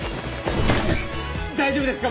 大丈夫ですか？